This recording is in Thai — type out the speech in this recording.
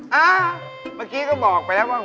เอาเมื่อกี้เขาบอกไปแล้วว่า